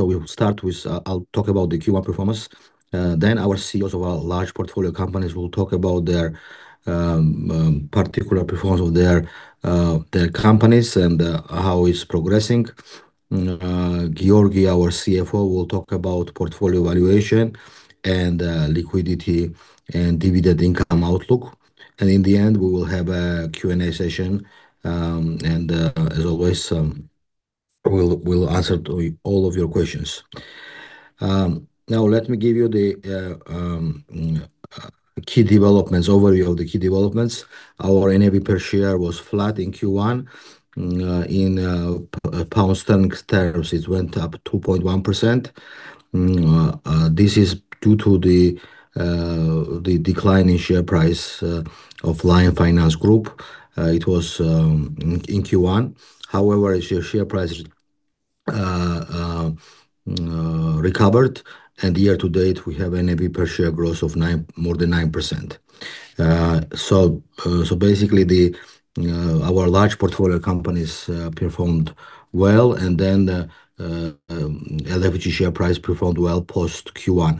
We will start with, I'll talk about the Q1 performance. Then our CEOs of our large portfolio companies will talk about their particular performance of their companies and how it's progressing. Giorgi, our CFO, will talk about portfolio valuation and liquidity and dividend income outlook. In the end, we will have a Q&A session, and as always, we'll answer to all of your questions. Now let me give you the key developments, overview of the key developments. Our NAV per share was flat in Q1. In pound sterling terms it went up 2.1%. This is due to the decline in share price of Lion Finance Group. It was in Q1. However, its share price is recovered, year-to-date we have NAV per share growth of more than 9%. Basically, our large portfolio companies performed well, the LFG share price performed well post Q1.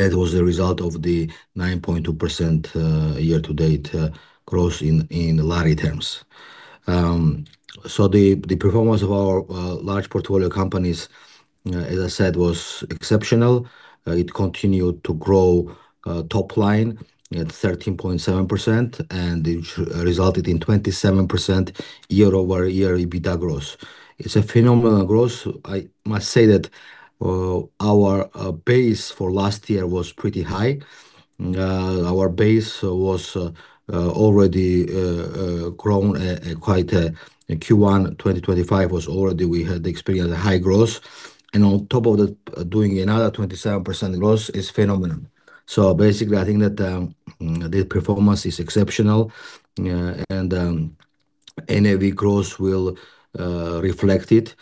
That was the result of the 9.2% year-to-date growth in GEL terms. The performance of our large portfolio companies, as I said, was exceptional. It continued to grow top line at 13.7%, it resulted in 27% year-over-year EBITDA growth. It's a phenomenal growth. I must say that our base for last year was pretty high. Our base was already grown quite a—in Q1 2025 was already we had experienced a high growth. On top of that, doing another 27% growth is phenomenal. Basically, I think that the performance is exceptional, and NAV growth will reflect it,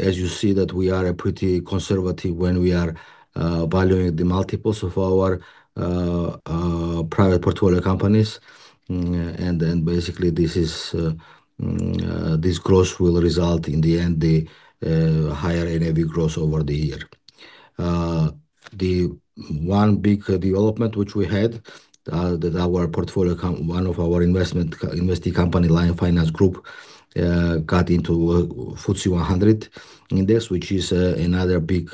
as you see that we are pretty conservative when we are valuing the multiples of our private portfolio companies. Basically this is this growth will result in the end the higher NAV growth over the year. The one big development which we had, that one of our invested company, Lion Finance Group, got into FTSE 100 Index, which is another big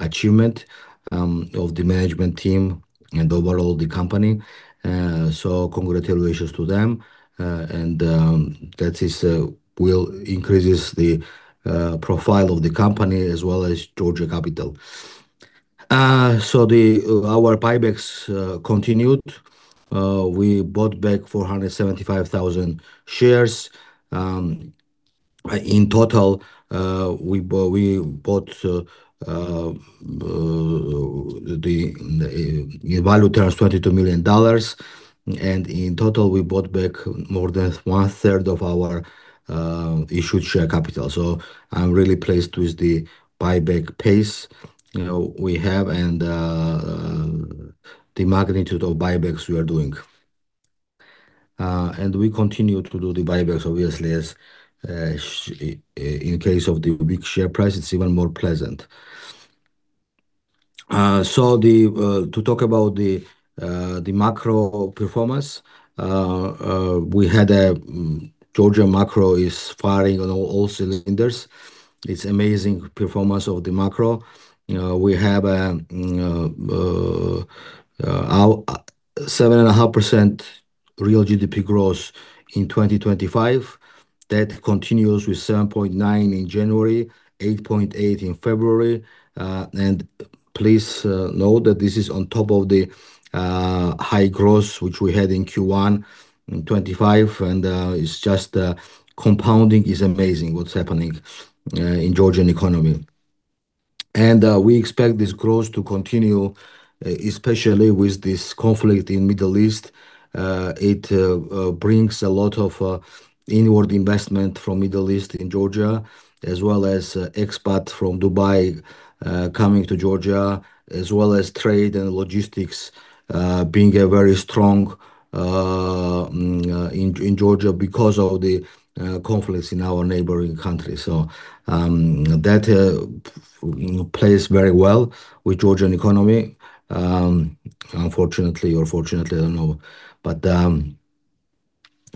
achievement of the management team and overall the company. Congratulations to them. That will increase the profile of the company as well as Georgia Capital. Our buybacks continued. We bought back 475,000 shares. In total, we bought, in value terms, $22 million, and in total, we bought back more than 1/3 of our issued share capital. I'm really pleased with the buyback pace, you know, we have and the magnitude of buybacks we are doing. We continue to do the buybacks obviously as, in case of the big share price, it's even more pleasant. To talk about the macro performance, we had a Georgia macro is firing on all cylinders. It's amazing performance of the macro. You know, we have our 7.5% real GDP growth in 2025. That continues with 7.9% in January, 8.8% in February. Please note that this is on top of the high growth which we had in Q1 in 2025, and it's just compounding is amazing what's happening in Georgian economy. We expect this growth to continue, especially with this conflict in Middle East. It brings a lot of inward investment from Middle East in Georgia, as well as expats from Dubai coming to Georgia, as well as trade and logistics being a very strong in Georgia because of the conflicts in our neighboring country. That, you know, plays very well with Georgian economy, unfortunately or fortunately, I don't know.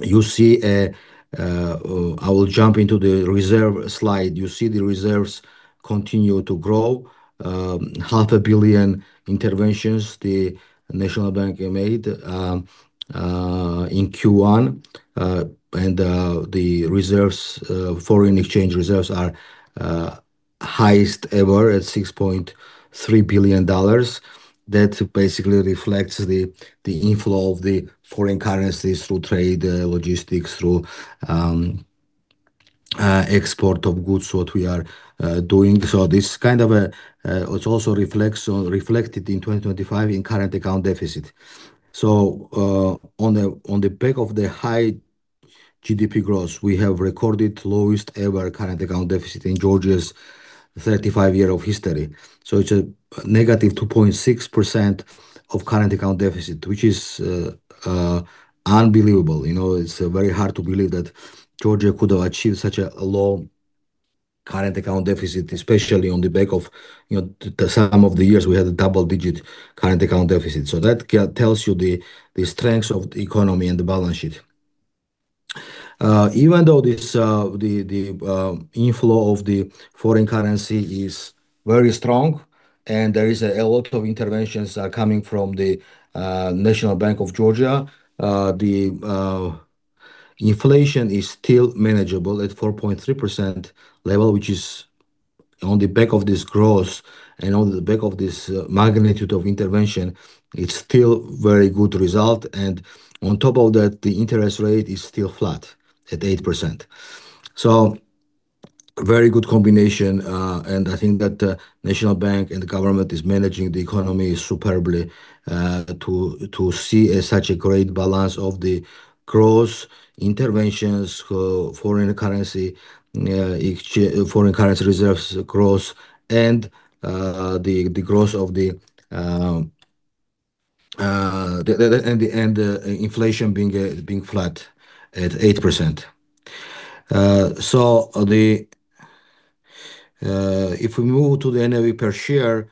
You see, I will jump into the reserve slide. You see the reserves continue to grow. $500 million interventions the National Bank made in Q1. The reserves, foreign exchange reserves, are highest ever at $6.3 billion. That basically reflects the inflow of the foreign currencies through trade, logistics, through export of goods, what we are doing. This kind of, it also reflected in 2025 in current account deficit. On the back of the high GDP growth, we have recorded lowest-ever current account deficit in Georgia's 35-year history. It's a -2.6% of current account deficit, which is unbelievable. You know, it's very hard to believe that Georgia could have achieved such a low current account deficit, especially on the back of, you know, the some of the years we had a double-digit current account deficit. That tells you the strength of the economy and the balance sheet. Even though this inflow of the foreign currency is very strong and there is a lot of interventions are coming from the National Bank of Georgia, inflation is still manageable at 4.3% level, which is on the back of this growth and on the back of this magnitude of intervention, it's still very good result. On top of that, the interest rate is still flat at 8%. Very good combination, and I think that the National Bank and the government is managing the economy superbly, to see a such a great balance of the growth, interventions, foreign currency reserves growth, and the growth of the inflation being flat at 8%. If we move to the NAV per share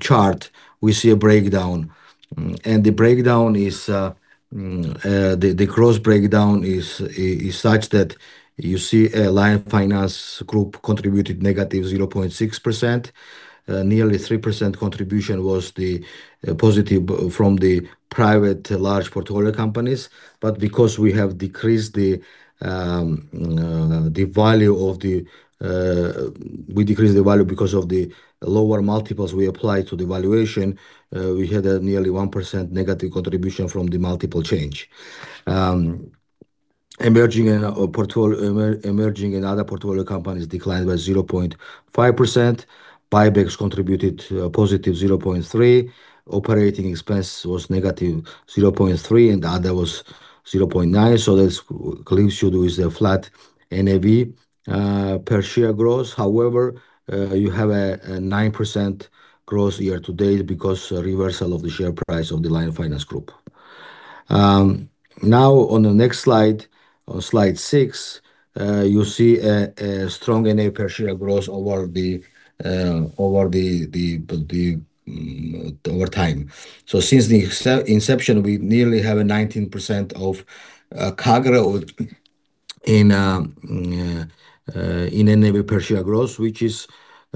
chart, we see a breakdown. The breakdown is the growth breakdown is such that you see Lion Finance Group contributed -0.6%. Nearly 3% contribution was the positive from the private large portfolio companies. Because we have decreased the value of the. We decreased the value because of the lower multiples we applied to the valuation, we had a nearly 1% negative contribution from the multiple change. Emerging and other portfolio companies declined by 0.5%. Buybacks contributed +0.3%. Operating expense was -0.3%, and other was 0.9%. That should do is a flat NAV per share growth. However, you have a 9% growth year-to-date because a reversal of the share price of the Lion Finance Group. Now on the next slide six, you see a strong NAV per share growth over time. Since the inception, we nearly have a 19% of CAGR or in NAV per share growth, which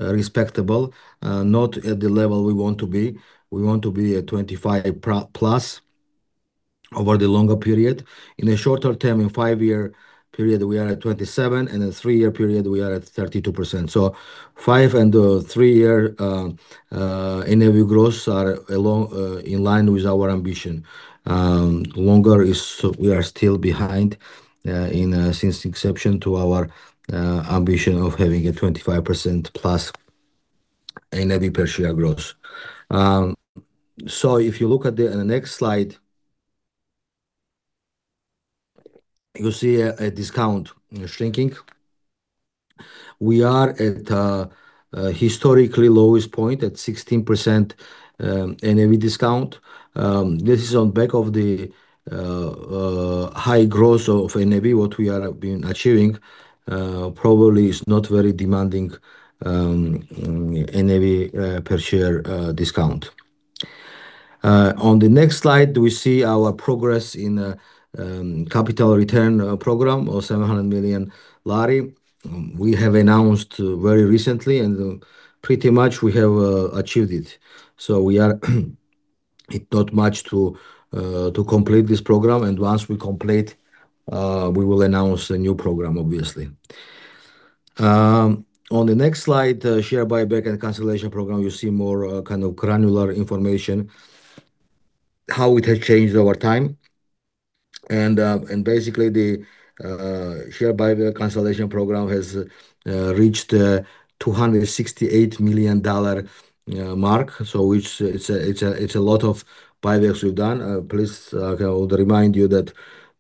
is respectable. Not at the level we want to be. We want to be at 25%+ over the longer period. In a shorter term, in five-year period, we are at 27%, and in three-year period, we are at 32%. Five and three-year NAV growths are along in line with our ambition. Longer is we are still behind in since inception to our ambition of having a 25%+ NAV per share growth. If you look at the next slide, you see a discount shrinking. We are at a historically lowest point at 16% NAV discount. This is on back of the high growth of NAV, what we are being achieving, probably is not very demanding, NAV per share discount. On the next slide, we see our progress in capital return program of GEL 700 million. We have announced very recently, and pretty much we have achieved it. We are it not much to complete this program, and once we complete, we will announce a new program, obviously. On the next slide, share buyback and cancellation program, you see more kind of granular information, how it has changed over time. Basically the share buyback cancellation program has reached $268 million mark. Which it's a lot of buybacks we've done. Please, I would remind you that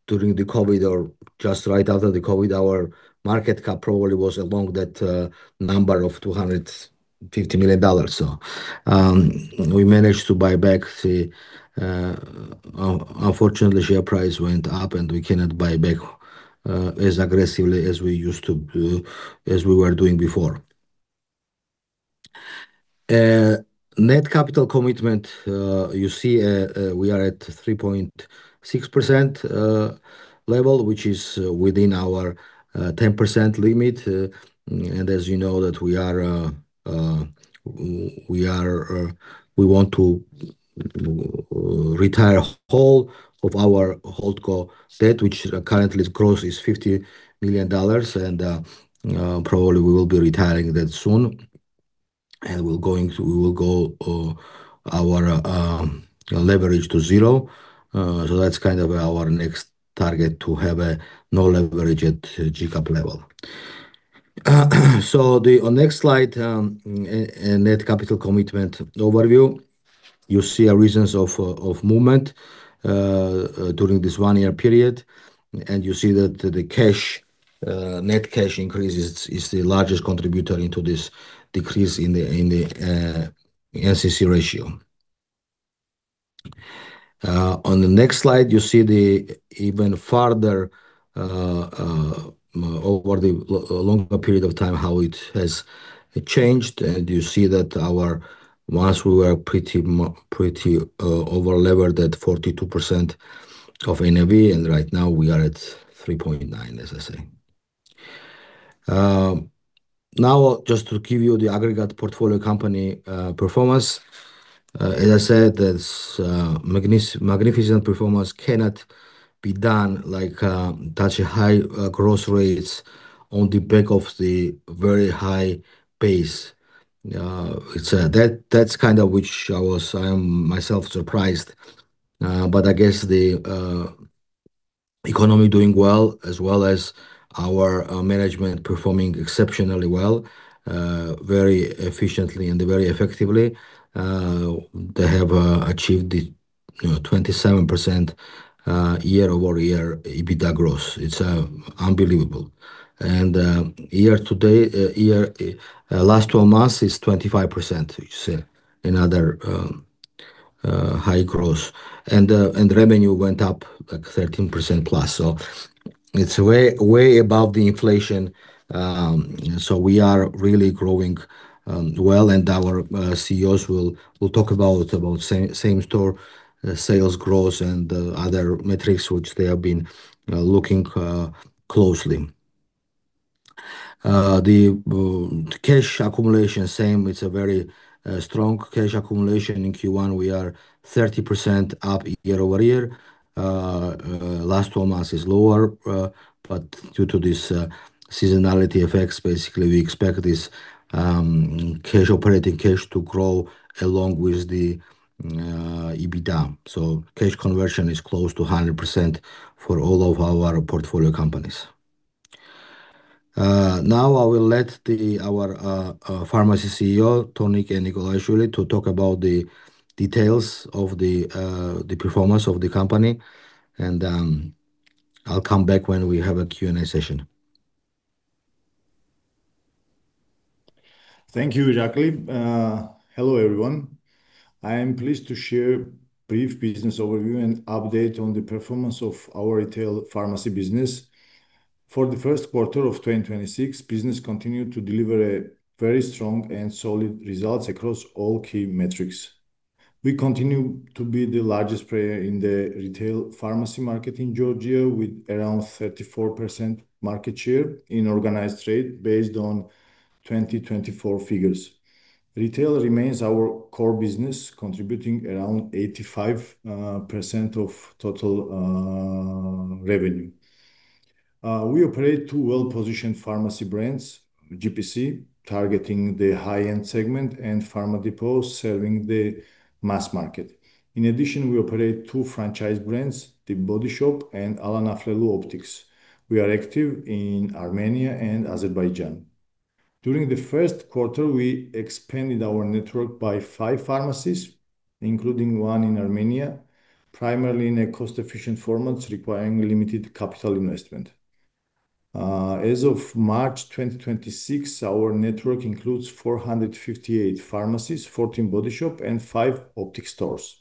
during the COVID or just right after the COVID, our market cap probably was along that number of $250 million. We managed to buy back. Unfortunately, share price went up, we cannot buy back as aggressively as we used to do, as we were doing before. Net capital commitment, you see, we are at 3.6% level, which is within our 10% limit. As you know that we are, we want to retire whole of our HoldCo debt, which currently gross is $50 million, probably we will be retiring that soon. We will go our leverage to zero. That's kind of our next target to have no leverage at GCAP level. The next slide, net capital commitment overview. You see reasons of movement during this one-year period, and you see that the cash, net cash increases is the largest contributor into this decrease in the NCC ratio. On the next slide, you see the even farther over the longer period of time how it has changed, and you see that our. Once we were pretty over-levered at 42% of NAV, and right now we are at 3.9%, as I say. Now just to give you the aggregate portfolio company performance. As I said, this magnificent performance cannot be done, like, such a high growth rates on the back of the very high base. It's that's kind of which I was myself surprised. I guess the economy doing well as well as our management performing exceptionally well, very efficiently and very effectively. They have achieved the, you know, 27% year-over-year EBITDA growth. It's unbelievable. Year-to-date, year, last 12 months is 25%, which is another high growth. Revenue went up like 13%+, so it's way above the inflation. We are really growing well, and our CEOs will talk about same-store sales growth and other metrics which they have been looking closely. The cash accumulation, same. It's a very strong cash accumulation. In Q1 we are 30% up year-over-year. LTM is lower, but due to this seasonality effects, basically we expect this cash, operating cash to grow along with the EBITDA. Cash conversion is close to 100% for all of our portfolio companies. Now I will let our Pharmacy CEO, Tornike Nikolaishvili, to talk about the details of the performance of the company, and I'll come back when we have a Q&A session. Thank you, Irakli. Hello, everyone. I am pleased to share a brief business overview and update on the performance of our Retail Pharmacy business. For the first quarter of 2026, business continued to deliver very strong and solid results across all key metrics. We continue to be the largest player in the Retail Pharmacy market in Georgia with around 34% market share in organized trade based on 2024 figures. Retail remains our core business, contributing around 85% of total revenue. We operate two well-positioned pharmacy brands, GPC, targeting the high-end segment, and Pharmadepot serving the mass market. In addition, we operate two franchise brands, The Body Shop and Alain Afflelou Optics. We are active in Armenia and Azerbaijan. During the first quarter, we expanded our network by five pharmacies, including one in Armenia, primarily in a cost-efficient format requiring limited capital investment. As of March 2026, our network includes 458 pharmacies, 14 Body Shop, and five Optics stores.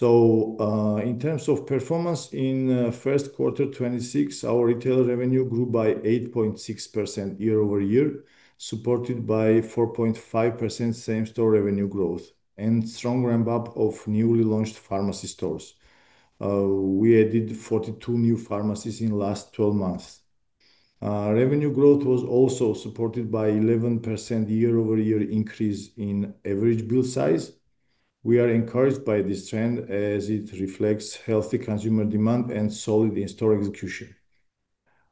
In terms of performance in first quarter 2026, our retail revenue grew by 8.6% year-over-year, supported by 4.5% same-store revenue growth and strong ramp-up of newly launched pharmacy stores. We added 42 new pharmacies in last 12 months. Revenue growth was also supported by 11% year-over-year increase in average bill size. We are encouraged by this trend as it reflects healthy consumer demand and solid in-store execution.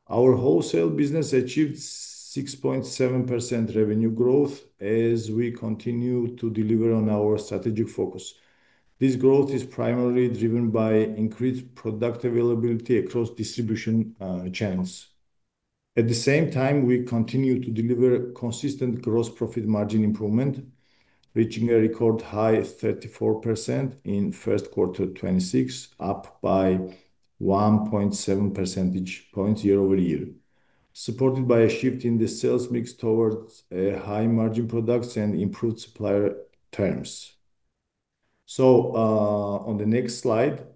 Our wholesale business achieved 6.7% revenue growth as we continue to deliver on our strategic focus. This growth is primarily driven by increased product availability across distribution channels. At the same time, we continue to deliver consistent gross profit margin improvement, reaching a record high of 34% in first quarter 2026, up by 1.7 percentage points year-over-year, supported by a shift in the sales mix towards high-margin products and improved supplier terms. On the next slide,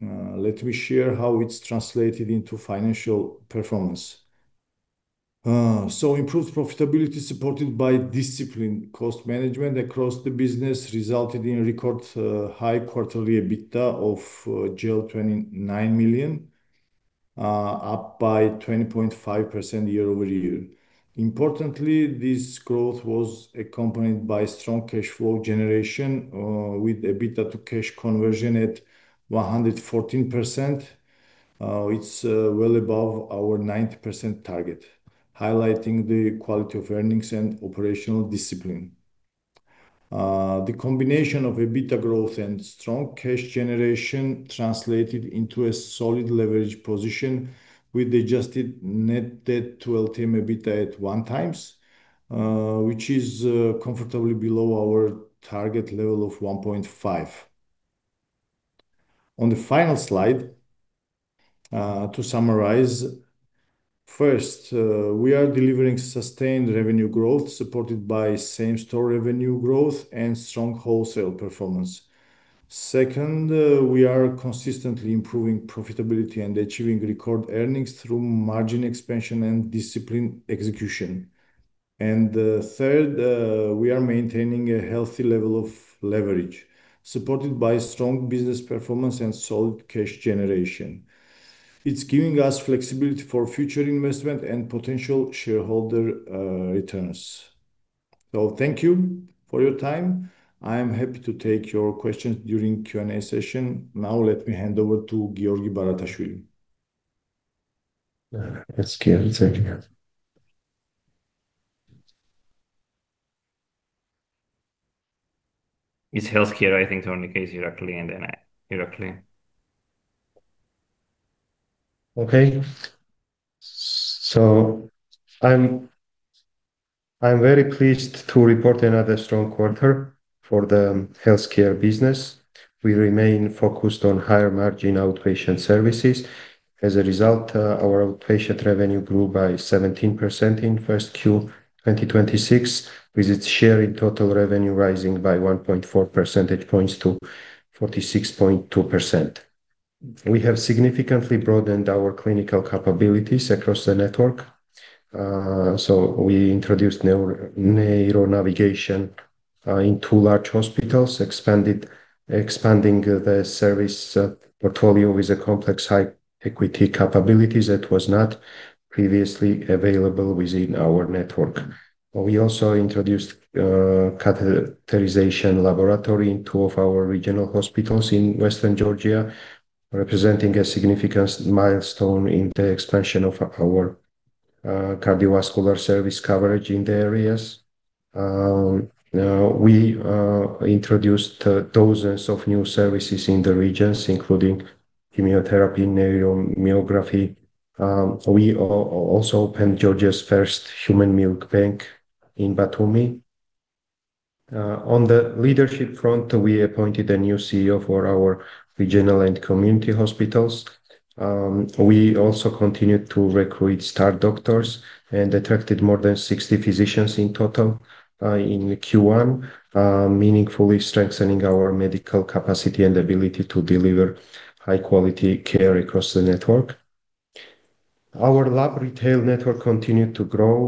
let me share how it is translated into financial performance. Improved profitability supported by disciplined cost management across the business resulted in record high quarterly EBITDA of GEL 29 million, up by 20.5% year-over-year. Importantly, this growth was accompanied by strong cash flow generation, with EBITDA to cash conversion at 114%. It's well above our 90% target, highlighting the quality of earnings and operational discipline. The combination of EBITDA growth and strong cash generation translated into a solid leverage position with adjusted net debt to LTM EBITDA at 1x, which is comfortably below our target level of 1.5x. On the final slide, to summarize. First, we are delivering sustained revenue growth supported by same-store revenue growth and strong wholesale performance. Second, we are consistently improving profitability and achieving record earnings through margin expansion and disciplined execution. Third, we are maintaining a healthy level of leverage, supported by strong business performance and solid cash generation. It's giving us flexibility for future investment and potential shareholder returns. Thank you for your time. I am happy to take your questions during Q&A session. Now let me hand over to Giorgi Baratashvili. It's healthcare, I think, [Tornike], Irakli, and then I. Okay. I'm very pleased to report another strong quarter for the healthcare business. We remain focused on higher-margin outpatient services. As a result, our outpatient revenue grew by 17% in first Q 2026, with its share in total revenue rising by 1.4 percentage points to 46.2%. We have significantly broadened our clinical capabilities across the network. We introduced neuronavigation in two large hospitals, expanding the service portfolio with a complex high acuity capabilities that was not previously available within our network. We also introduced catheterization laboratory in two of our regional hospitals in Western Georgia, representing a significant milestone in the expansion of our cardiovascular service coverage in the areas. We introduced dozens of new services in the regions, including chemotherapy, neuromyography. We also opened Georgia's first human milk bank in Batumi. On the leadership front, we appointed a new CEO for our regional and community hospitals. We also continued to recruit star doctors and attracted more than 60 physicians in total in Q1, meaningfully strengthening our medical capacity and ability to deliver high-quality care across the network. Our lab retail network continued to grow,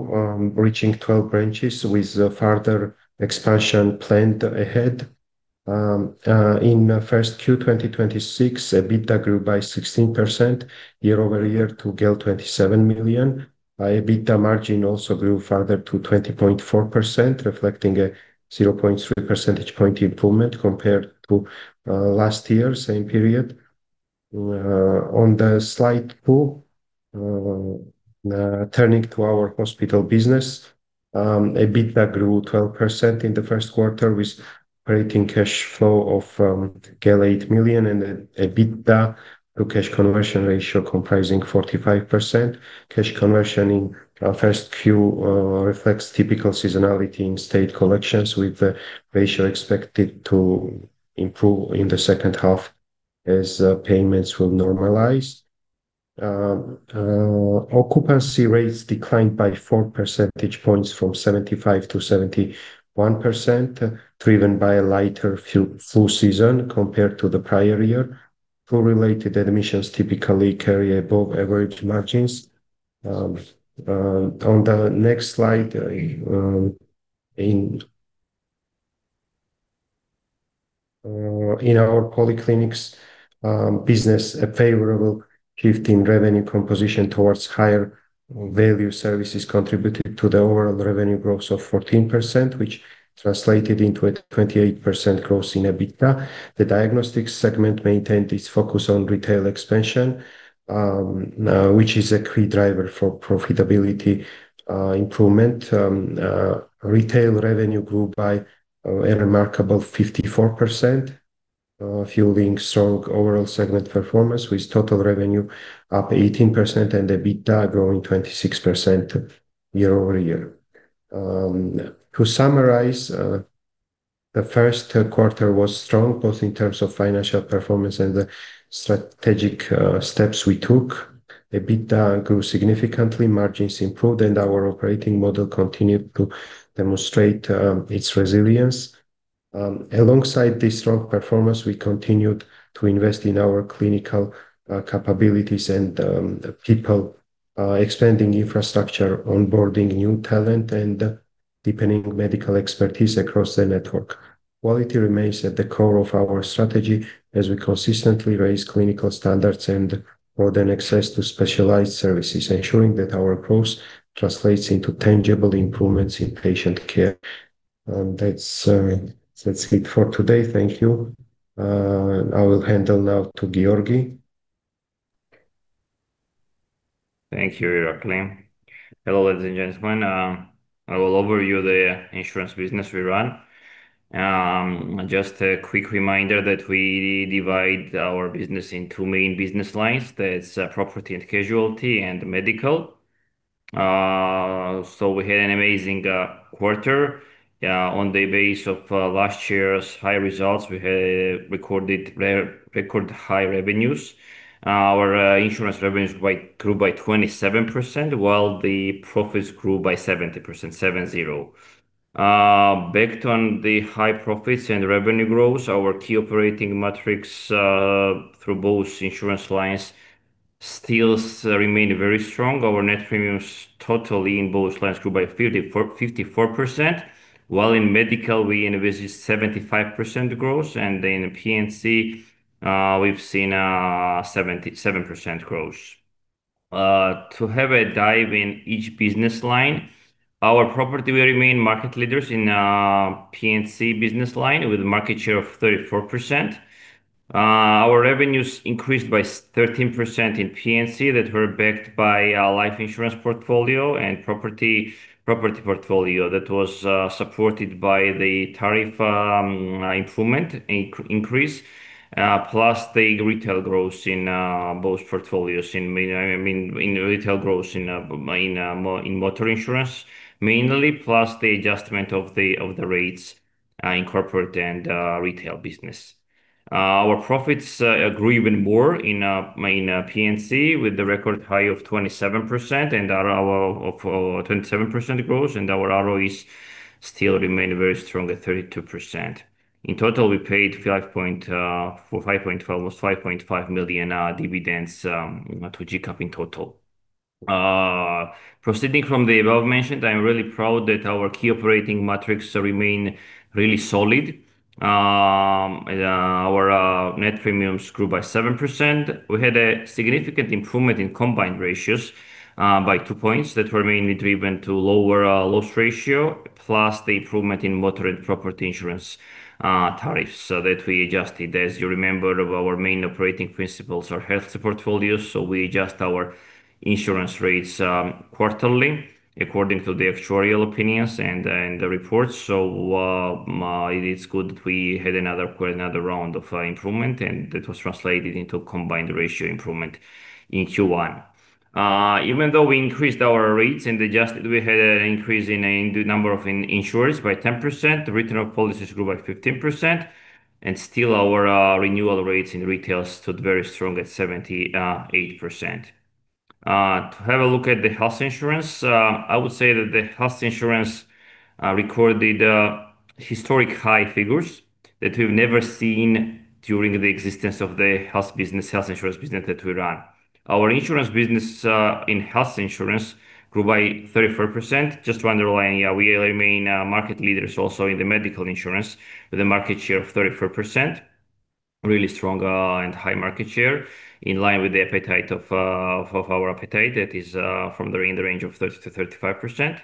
reaching 12 branches with further expansion planned ahead. In Q1 2026, EBITDA grew by 16% year-over-year to GEL 27 million. EBITDA margin also grew further to 20.4%, reflecting a 0.3 percentage-point improvement compared to last year same period. On the slide two, turning to our hospital business, EBITDA grew 12% in the first quarter with operating cash flow of GEL 8 million and an EBITDA-to-cash conversion ratio comprising 45%. Cash conversion in first quarter reflects typical seasonality in state collections, with the ratio expected to improve in the second half as payments will normalize. Occupancy rates declined by 4 percentage points from 75% to 71%, driven by a lighter flu season compared to the prior year. Flu-related admissions typically carry above-average margins. On the next slide, in our polyclinics business, a favorable shift in revenue composition towards higher-value services contributed to the overall revenue growth of 14%, which translated into a 28% growth in EBITDA. The diagnostics segment maintained its focus on retail expansion, which is a key driver for profitability improvement. Retail revenue grew by a remarkable 54%, fueling strong overall segment performance, with total revenue up 18% and EBITDA growing 26% year-over-year. To summarize, the first quarter was strong, both in terms of financial performance and the strategic steps we took. EBITDA grew significantly, margins improved, our operating model continued to demonstrate its resilience. Alongside this strong performance, we continued to invest in our clinical capabilities and people, expanding infrastructure, onboarding new talent, and deepening medical expertise across the network. Quality remains at the core of our strategy as we consistently raise clinical standards and broaden access to specialized services, ensuring that our approach translates into tangible improvements in patient care. That's it for today. Thank you. I will hand on now to Giorgi. Thank you, Irakli. Hello, ladies and gentlemen. I will overview the Insurance business we run. Just a quick reminder that we divide our business in two main business lines. That's Property and Casualty and Medical. We had an amazing quarter. On the base of last year's high results, we recorded record-high revenues. Our Insurance revenues grew by 27%, while the profits grew by 70%. Backed on the high profits and revenue growth, our key operating metrics through both Insurance lines still remain very strong. Our net premiums totally in both lines grew by 54%, while in medical we invested 75% growth and in P&C we've seen 77% growth. To have a dive in each business line, our property will remain market leaders in P&C business line with a market share of 34%. Our revenues increased by 13% in P&C that were backed by our life insurance portfolio and property portfolio that was supported by the tariff improvement increase, plus the retail growth in both portfolios I mean, in retail growth in motor insurance mainly, plus the adjustment of the rates in corporate and retail business. Our profits grew even more in main P&C with the record high of 27%, and of 27% growth and our ROEs still remain very strong at 32%. In total, we paid almost GEL 5.5 million dividends to GCAP in total. Proceeding from the abovementioned, I'm really proud that our key operating metrics remain really solid. Our net premiums grew by 7%. We had a significant improvement in combined ratios by 2 points that were mainly driven to lower loss ratio, plus the improvement in motor and property insurance tariffs that we adjusted. As you remember of our main operating principles are health portfolios, so we adjust our insurance rates quarterly according to the actuarial opinions and the reports. It's good that we had another round of improvement, and that was translated into combined ratio improvement in Q1. Even though we increased our rates and adjusted, we had an increase in the number of insureds by 10%. The return of policies grew by 15%, and still our renewal rates in retail stood very strong at 78%. To have a look at the health insurance, I would say that the health insurance recorded historic-high figures that we've never seen during the existence of the health business, health insurance business that we run. Our insurance business in health insurance grew by 34%. Just to underline, yeah, we remain market leaders also in the medical insurance with a market share of 34%. Really strong and high market share in line with the appetite of our appetite that is in the range of 30%-35%.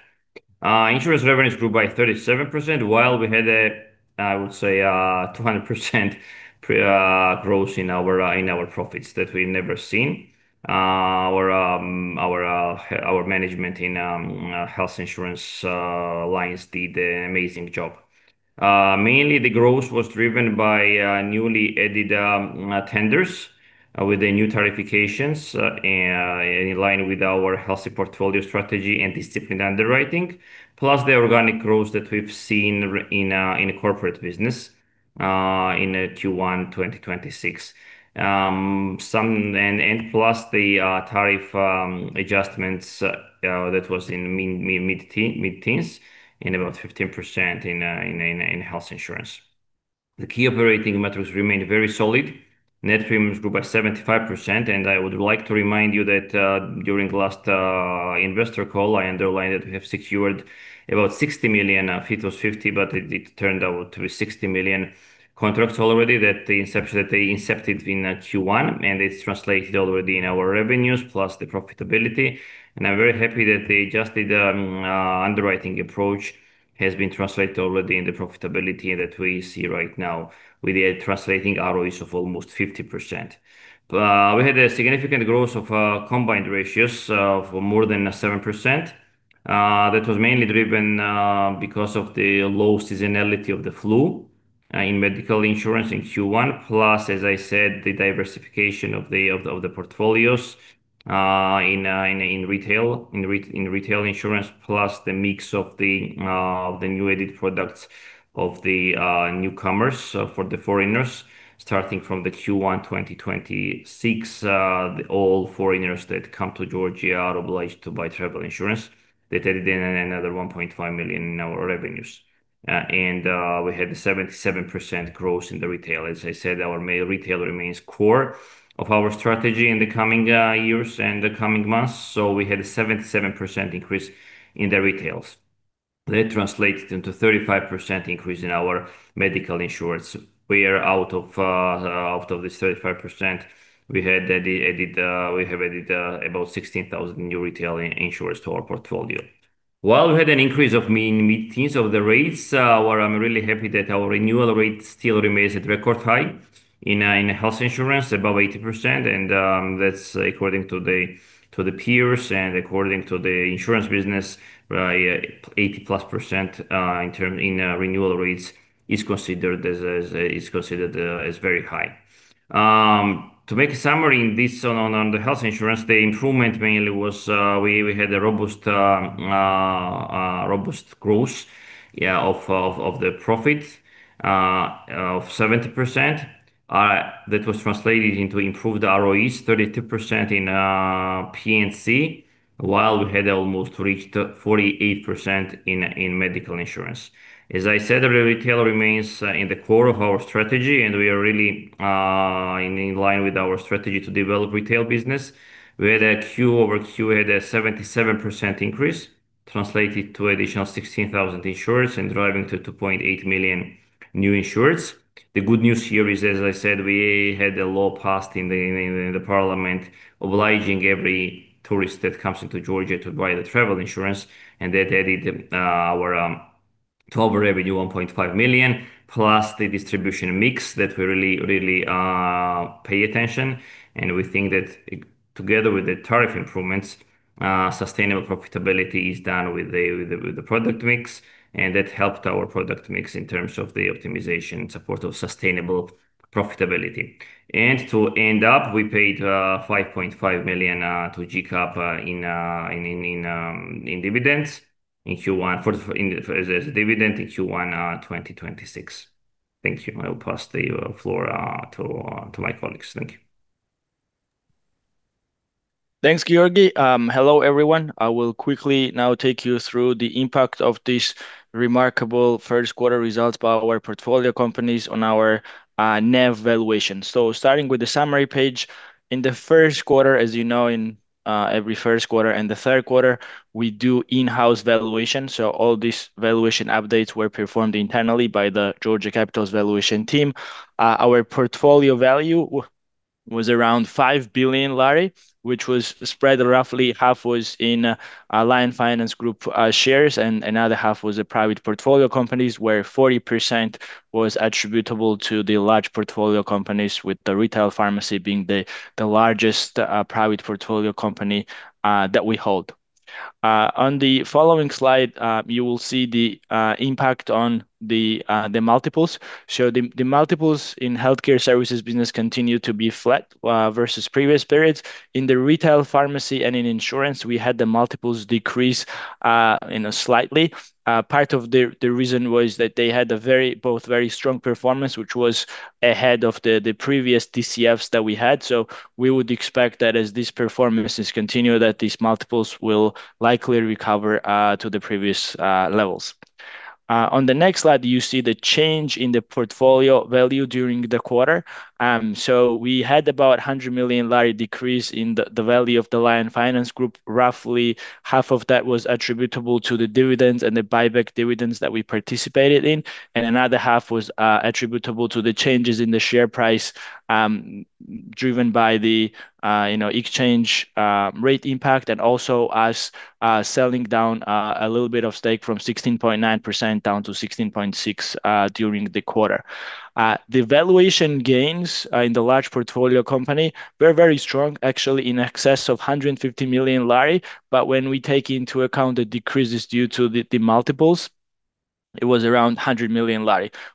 Insurance revenues grew by 37%, while we had a, I would say, 200% growth in our profits that we've never seen. Our management in health insurance lines did an amazing job. Mainly the growth was driven by newly added tenders with the new tariffications in line with our healthy portfolio strategy and disciplined underwriting, plus the organic growth that we've seen in corporate business in Q1 2026. Plus the tariff adjustments that was in mid-teens and about 15% in health insurance. The key operating metrics remained very solid. Net premiums grew by 75%. I would like to remind you that, during last investor call, I underlined that we have secured about GEL 60 million. It was GEL 50 million, but it turned out to be GEL 60 million contracts already that they incepted in Q1, and it's translated already in our revenues plus the profitability. I'm very happy that the adjusted underwriting approach has been translated already in the profitability that we see right now with the translating ROEs of almost 50%. We had a significant growth of combined ratios of more than 7%. That was mainly driven because of the low seasonality of the flu in medical insurance in Q1, plus, as I said, the diversification of the portfolios in retail insurance, plus the mix of the new added products of the newcomers for the foreigners. Starting from the Q1 2026, all foreigners that come to Georgia are obliged to buy travel insurance. That added in another GEL 1.5 million in our revenues. And we had a 77% growth in the retail. As I said, our main retail remains core of our strategy in the coming years and the coming months. We had a 77% increase in the retails. That translated into 35% increase in our medical insurance, where out of this 35%, we have added about 16,000 new retail insureds to our portfolio. While we had an increase of mid-teens of the rates, where I'm really happy that our renewal rate still remains at record high. In health insurance above 80%, that's according to the peers and according to the insurance business, 80%+ in renewal rates is considered as very high. To make a summary on the health insurance, the improvement mainly was, we had a robust growth, yeah, of the profits of 70%. That was translated into improved ROEs, 32% in P&C, while we had almost 48% in medical insurance. As I said, the retail remains in the core of our strategy, and we are really in line with our strategy to develop retail business, where the QoQ had a 77% increase, translated to additional 16,000 insurers and driving to 2.8 million new insurers. The good news here is, as I said, we had a law passed in the Parliament obliging every tourist that comes into Georgia to buy the travel insurance, and that added our total revenue GEL 1.5 million, plus the distribution mix that we really, really pay attention. We think that together with the tariff improvements, sustainable profitability is done with the product mix, and that helped our product mix in terms of the optimization in support of sustainable profitability. To end up, we paid GEL 5.5 million to GCAP in dividends in Q1. For as dividend in Q1 2026. Thank you. I will pass the floor to my colleagues. Thank you. Thanks, Giorgi. Hello, everyone. I will quickly now take you through the impact of this remarkable first quarter results by our portfolio companies on our NAV valuation. Starting with the summary page, in the first quarter, as you know, in every first quarter and the third quarter, we do in-house valuation. All these valuation updates were performed internally by the Georgia Capital's valuation team. Our portfolio value was around GEL 5 billion, which was spread roughly half was in Lion Finance Group shares, and another half was a private portfolio companies, where 40% was attributable to the large portfolio companies with the Retail Pharmacy being the largest private portfolio company that we hold. On the following slide, you will see the impact on the multiples. The multiples in healthcare services business continue to be flat versus previous periods. In the Retail Pharmacy and in Insurance, we had the multiples decrease, you know, slightly. Part of the reason was that they had both very strong performance, which was ahead of the previous DCFs that we had. We would expect that as these performances continue, that these multiples will likely recover to the previous levels. On the next slide, you see the change in the portfolio value during the quarter. We had about a GEL 100 million decrease in the value of the Lion Finance Group. Roughly half of that was attributable to the dividends and the buyback dividends that we participated in, and another half was attributable to the changes in the share price, driven by the, you know, exchange rate impact and also us selling down a little bit of stake from 16.9% down to 16.6% during the quarter. The valuation gains in the large portfolio company were very strong, actually in excess of GEL 150 million. When we take into account the decreases due to the multiples, it was around GEL 100 million,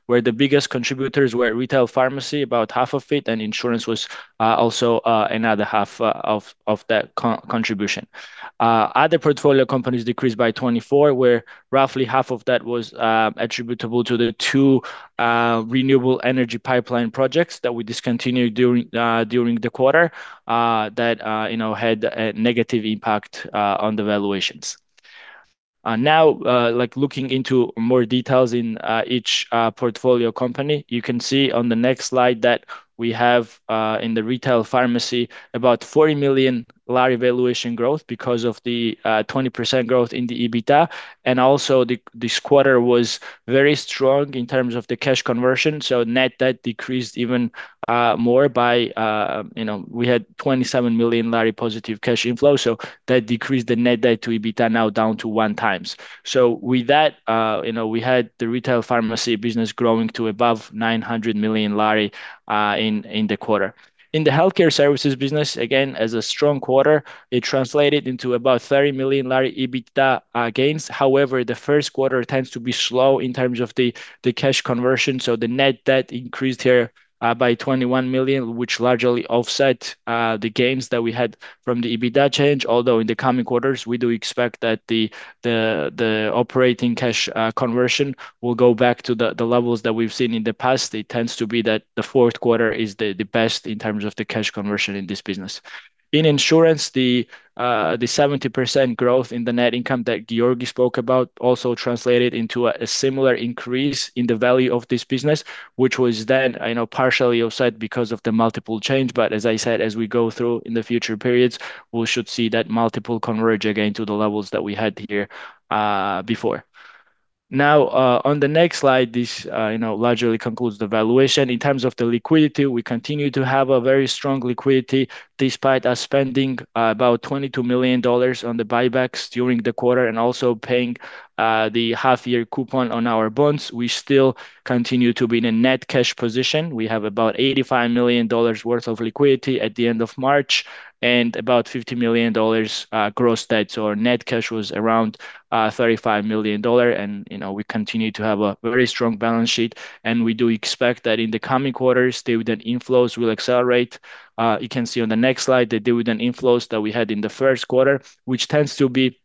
where the biggest contributors were Retail Pharmacy, about half of it, and Insurance was also another half of that co-contribution. Other portfolio companies decreased by 24, where roughly half of that was attributable to the two renewable energy pipeline projects that we discontinued during the quarter, that, you know, had a negative impact on the valuations. Now, like looking into more details in each portfolio company, you can see on the next slide that we have in the Retail Pharmacy about GEL 40 million valuation growth because of the 20% growth in the EBITDA. Also this quarter was very strong in terms of the cash conversion. Net debt decreased even more by, you know, we had GEL 27 million positive cash inflow, that decreased the net debt to EBITDA now down to 1x. With that, you know, we had the Retail Pharmacy Business growing to above GEL 900 million in the quarter. In the Healthcare Services Business, again, as a strong quarter, it translated into about GEL 30 million EBITDA gains. However, the first quarter tends to be slow in terms of the cash conversion. The net debt increased here by GEL 21 million, which largely offset the gains that we had from the EBITDA change. Although in the coming quarters, we do expect that the operating cash conversion will go back to the levels that we've seen in the past. It tends to be that the fourth quarter is the best in terms of the cash conversion in this business. In Insurance, the 70% growth in the net income that Giorgi spoke about also translated into a similar increase in the value of this business, which was then, you know, partially offset because of the multiple change. As I said, as we go through in the future periods, we should see that multiple converge again to the levels that we had here before. On the next slide, this, you know, largely concludes the valuation. In terms of the liquidity, we continue to have a very strong liquidity despite us spending about $22 million on the buybacks during the quarter and also paying the half-year coupon on our bonds. We still continue to be in a net cash position. We have about $85 million worth of liquidity at the end of March and about $50 million gross debt. Our net cash was around $35 million, and, you know, we continue to have a very strong balance sheet. We do expect that in the coming quarters, dividend inflows will accelerate. You can see on the next slide the dividend inflows that we had in the first quarter, which tends to be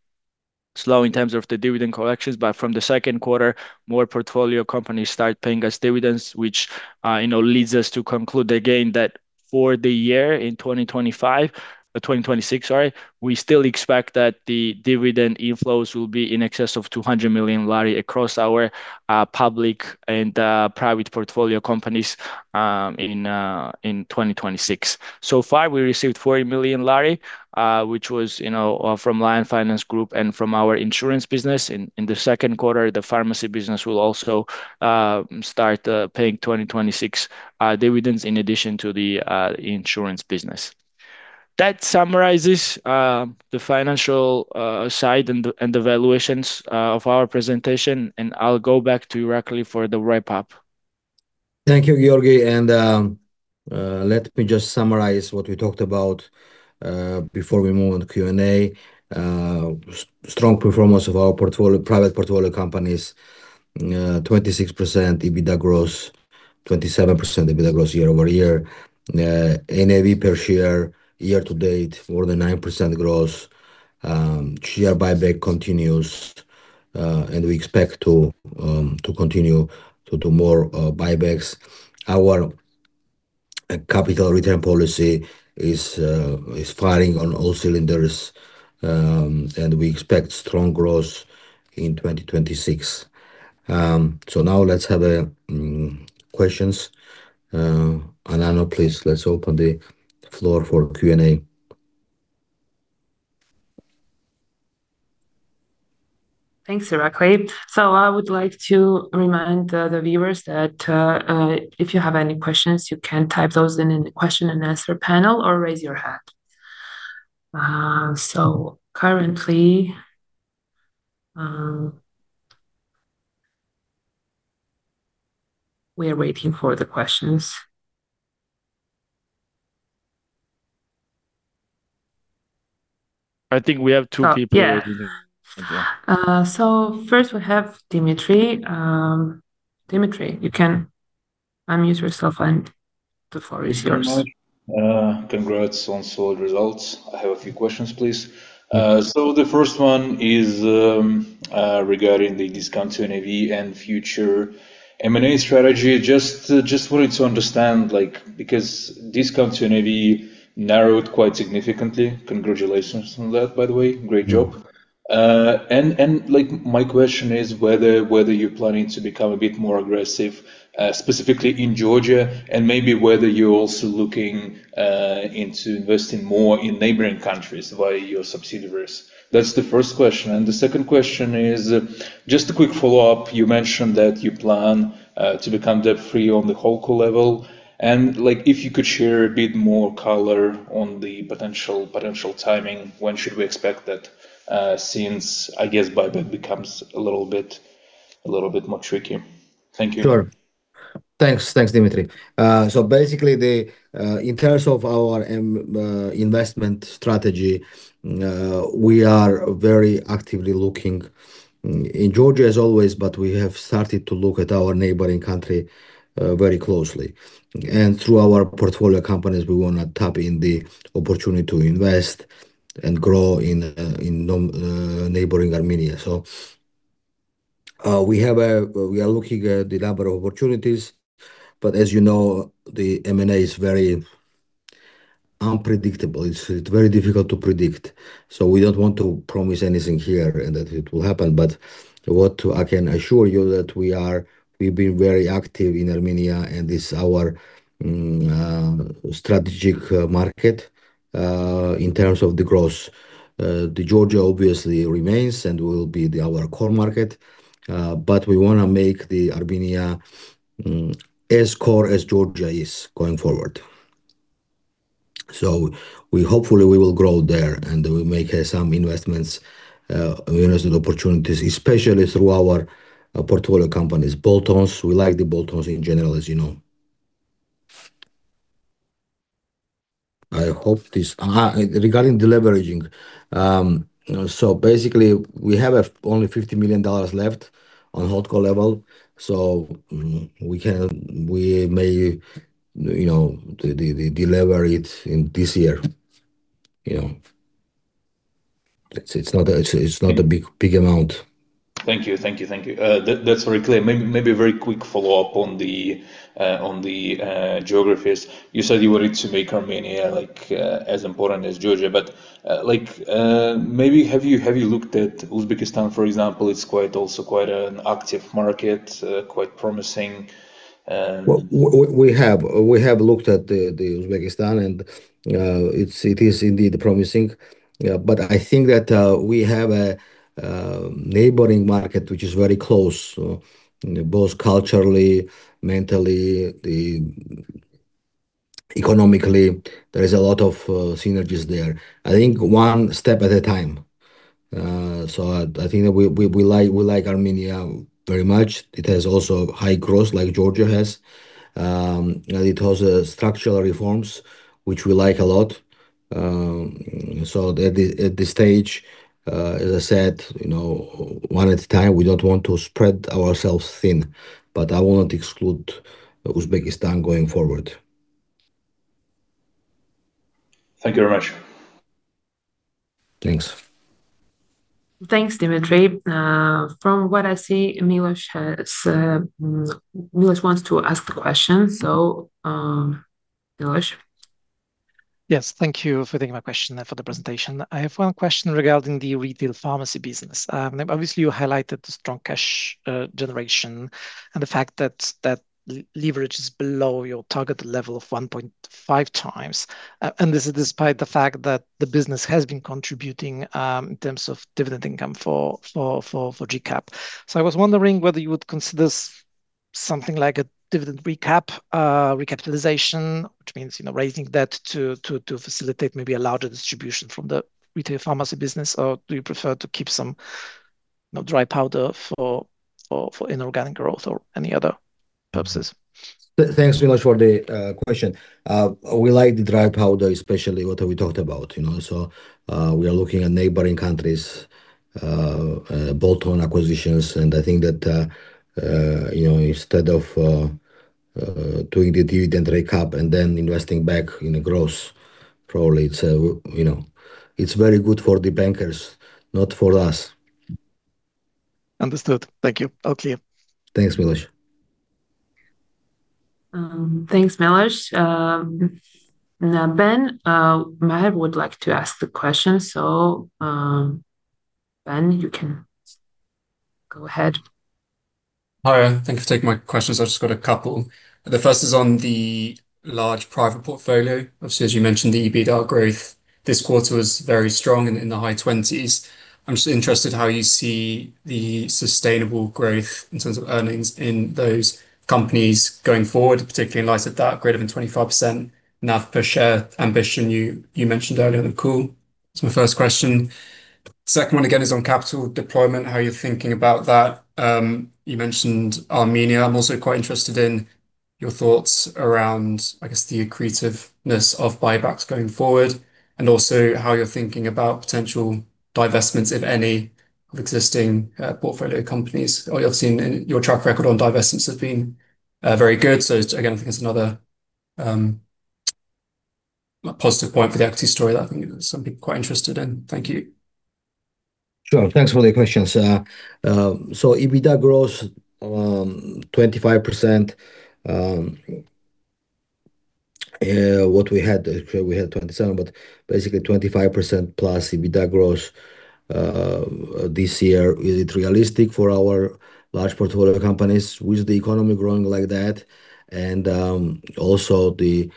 slow in terms of the dividend collections. From the second quarter, more portfolio companies start paying us dividends, which, you know, leads us to conclude again that for the year in 2026, sorry, we still expect that the dividend inflows will be in excess of GEL 200 million across our public and private portfolio companies in 2026. So far, we received GEL 40 million, which was, you know, from Lion Finance Group and from our insurance business. In the second quarter, the Pharmacy business will also start paying 2026 dividends in addition to the Insurance business. That summarizes the financial side and the valuations of our presentation, and I'll go back to Irakli for the wrap-up. Thank you, Giorgi, let me just summarize what we talked about before we move on to Q&A. Strong performance of our private portfolio companies. Twenty-six percent EBITDA growth, 27% EBITDA growth year-over-year. NAV per share year-to-date more than 9% growth. Share buyback continues, and we expect to continue to do more buybacks. Our capital return policy is firing on all cylinders, and we expect strong growth in 2026. Now let's have questions. Anano, please, let's open the floor for Q&A. Thanks, Irakli. I would like to remind the viewers that if you have any questions, you can type those in in the question and answer panel or raise your hand. Currently, we are waiting for the questions. I think we have two people— Oh, yeah. Waiting here. Yeah. First we have Dmitry. Dmitry, you can unmute yourself and the floor is yours. Thank you very much. Congrats on solid results. I have a few questions, please. The first one is, regarding the discount to NAV and future M&A strategy. Just wanted to understand, like, because discount to NAV narrowed quite significantly. Congratulations on that, by the way. Great job. Like, my question is whether you're planning to become a bit more aggressive, specifically in Georgia and maybe whether you're also looking into investing more in neighboring countries via your subsidiaries. That's the first question. The second question is just a quick follow-up. You mentioned that you plan to become debt-free on the HoldCo level, like, if you could share a bit more color on the potential timing. When should we expect that, since I guess buyback becomes a little bit more tricky? Thank you. Sure. Thanks. Thanks, Dmitry. Basically in terms of our investment strategy, we are very actively looking in Georgia as always, but we have started to look at our neighboring country very closely. Through our portfolio companies, we wanna tap in the opportunity to invest and grow in neighboring Armenia. We are looking at the number of opportunities, but as you know, the M&A is very unpredictable. It's very difficult to predict. We don't want to promise anything here and that it will happen. What I can assure you that we've been very active in Armenia, and it's our strategic market in terms of the growth. Georgia obviously remains and will be our core market, but we wanna make Armenia as core as Georgia is going forward. Hopefully we will grow there, and we make some investments, investment opportunities, especially through our portfolio companies. Bolt-ons, we like the bolt-ons in general, as you know. I hope this. Regarding deleveraging, basically we have only $50 million left on HoldCo level, we may, you know, delever it in this year. You know, it's not a big amount. Thank you. Thank you. Thank you. That's very clear. Maybe a very quick follow-up on the geographies. You said you wanted to make Armenia, like, as important as Georgia, like, maybe have you looked at Uzbekistan, for example? It's also quite an active market, quite promising. Well, we have looked at the Uzbekistan and it's, it is indeed promising. I think that we have a neighboring market which is very close, both culturally, mentally, economically. There is a lot of synergies there. I think one step at a time. I think that we like Armenia very much. It has also high growth like Georgia has. It has structural reforms which we like a lot. At this stage, as I said, you know, one at a time, we don't want to spread ourselves thin. I would not exclude Uzbekistan going forward. Thank you very much. Thanks. Thanks, Dmitry. From what I see, Milosz wants to ask a question. Milosz? Yes. Thank you for taking my question and for the presentation. I have one question regarding the Retail Pharmacy business. Obviously you highlighted the strong cash generation and the fact that leverage is below your targeted level of 1.5x. And this is despite the fact that the business has been contributing in terms of dividend income for GCAP. I was wondering whether you would consider something like a dividend recap recapitalization, which means, you know, raising debt to facilitate maybe a larger distribution from the Retail Pharmacy business. Do you prefer to keep some, you know, dry powder for inorganic growth or any other purposes? Thanks, Milosz, for the question. We like the dry powder, especially what we talked about, you know. We are looking at neighboring countries, bolt-on acquisitions, and I think that, you know, instead of doing the dividend recap and then investing back in the growth, probably it's, you know, it's very good for the bankers, not for us. Understood. Thank you. All clear. Thanks, Milosz. Thanks, Milosz. Now, Ben Maher would like to ask the question, so, Ben, you can go ahead. Hiya. Thank you for taking my questions. I've just got a couple. The first is on the large private portfolio. Obviously, as you mentioned, the EBITDA growth this quarter was very strong and in the high 20s. I'm just interested how you see the sustainable growth in terms of earnings in those companies going forward, particularly in light of that greater-than-25% NAV per share ambition you mentioned earlier on the call. That's my first question. Second one, again, is on capital deployment, how you're thinking about that. You mentioned Armenia. I'm also quite interested in your thoughts around, I guess, the accretiveness of buybacks going forward and also how you're thinking about potential divestments, if any, of existing portfolio companies. Obviously, your track record on divestments have been very good. Again, I think that's another positive point for the equity story that I think some people are quite interested in. Thank you. Sure. Thanks for the questions. So EBITDA growth, 25%, what we had, actually we had 27%, but basically 25%+ EBITDA growth this year. Is it realistic for our large portfolio companies with the economy growing like that and also the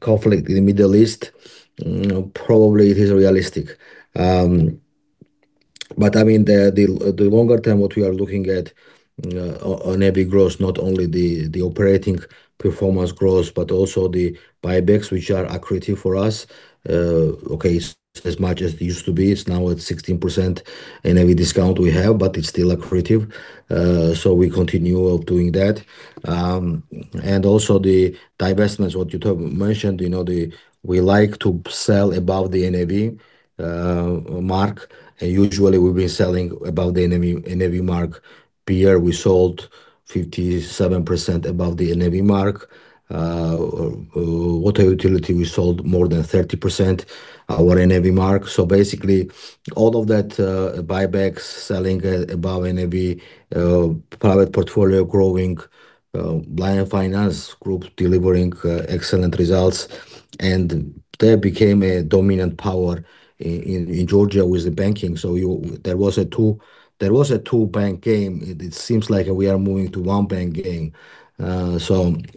conflict in the Middle East? You know, probably it is realistic. I mean, the, the longer term what we are looking at on EBITDA growth, not only the operating performance growth, but also the buybacks which are accretive for us. Okay, it's as much as it used to be. It's now at 16% in every discount we have, but it's still accretive. We continue doing that. Also the divestments what you mentioned. We like to sell above the NAV mark, and usually we've been selling above the NAV mark. Beer we sold 57% above the NAV mark. Water utility we sold more than 30% our NAV mark. Basically all of that, buybacks, selling above NAV, private portfolio growing, Lion Finance Group delivering excellent results, and they became a dominant power in Georgia with the banking. There was a two-bank game. It seems like we are moving to one-bank game. I think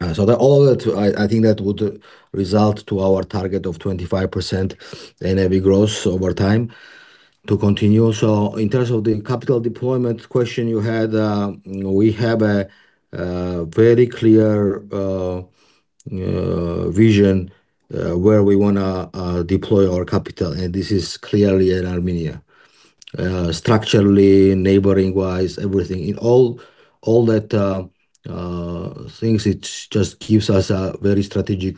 that would result to our target of 25% NAV growth over time to continue. In terms of the capital deployment question you had, we have a very clear vision where we wanna deploy our capital, and this is clearly in Armenia. Structurally, neighboring-wise, everything. In all that things, it's just gives us a very strategic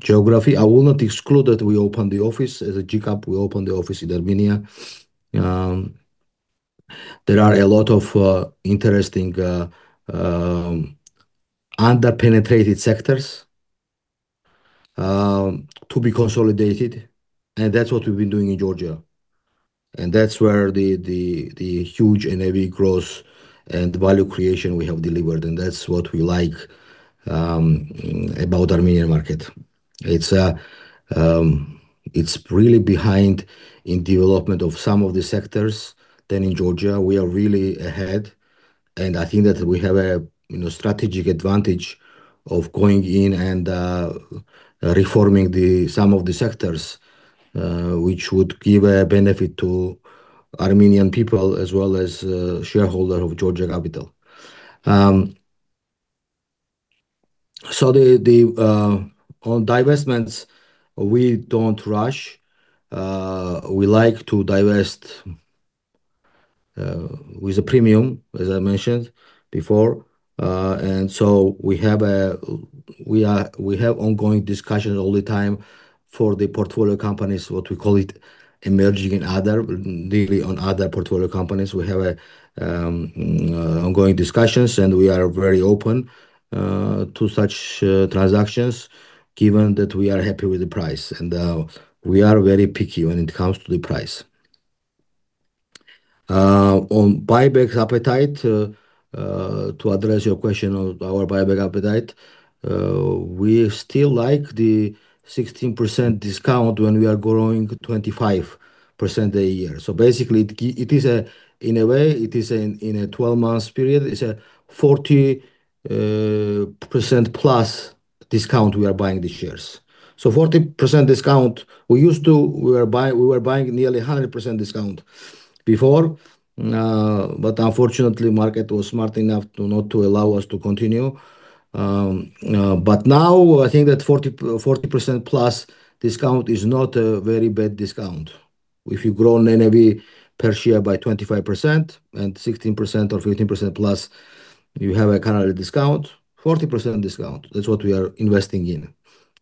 geography. I will not exclude that we open the office, as a GCAP we open the office in Armenia. There are a lot of interesting under-penetrated sectors to be consolidated, and that's what we've been doing in Georgia, and that's where the huge NAV growth and value creation we have delivered, and that's what we like about Armenian market. It's really behind in development of some of the sectors than in Georgia. We are really ahead. I think that we have a, you know, strategic advantage of going in and reforming some of the sectors, which would give a benefit to Armenian people as well as shareholder of Georgia Capital. On divestments, we don't rush. We like to divest with a premium, as I mentioned before. We have ongoing discussion all the time for the portfolio companies, what we call it, emerging in other, really on other portfolio companies. We have ongoing discussions. We are very open to such transactions given that we are happy with the price. We are very picky when it comes to the price. On buybacks appetite, to address your question on our buyback appetite, we still like the 16% discount when we are growing 25% a year. Basically it is a, in a way, it is in a 12-month period, it's a 40%+ discount we are buying the shares. Forty percent discount, we used to, we were buying nearly 100% discount before. Unfortunately, market was smart enough to not to allow us to continue. Now I think that 40%+ discount is not a very bad discount. If you grow NAV per share by 25% and 16% or 15%+ you have a current discount, 40% discount, that's what we are investing in.